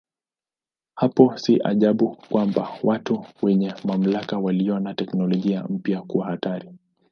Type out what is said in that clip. Hapo si ajabu kwamba watu wenye mamlaka waliona teknolojia mpya kuwa hatari.